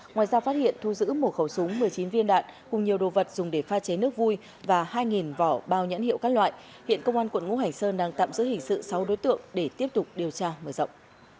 ngoài ra phát hiện thu giữ một khẩu súng một mươi chín viên đạn cùng nhiều đồ vật dùng để pha chế nước vui và hai vỏ bao nhãn hiệu các loại hiện công an quận ngũ hành sơn đang tạm giữ hình sự sáu đối tượng để tiếp tục điều tra mở rộng